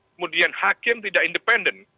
kemudian hakim tidak independen